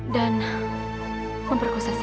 dan memperkuat saya